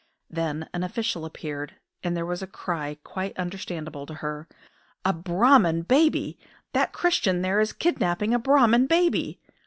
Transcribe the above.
Then an official appeared, and there was a cry quite understandable to her: "A Brahman baby! That Christian there is kidnapping a Brahman baby!"